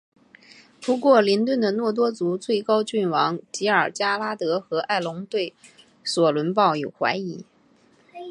不过林顿的诺多族最高君王吉尔加拉德和爱隆对索伦抱有怀疑。